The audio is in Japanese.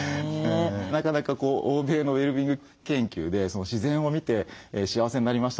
なかなか欧米のウェルビーイング研究で「自然を見て幸せになりました」